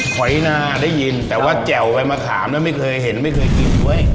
หอยนาได้ยินแต่ว่าแจ่วใบมะขามนั้นไม่เคยเห็นไม่เคยกินเว้ย